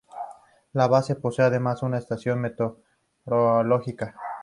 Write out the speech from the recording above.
La base posee además una estación meteorológica.